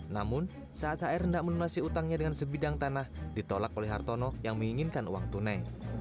namun saat h r tidak menunasi utangnya dengan sebidang tanah ditolak oleh hartono yang menginginkan uang tunai